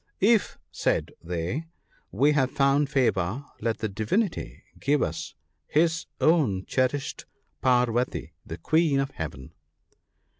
' If,' said they, ' we have found favour, let the Divinity give us his own cherished Parvati ( 1M ), the Queen of Heaven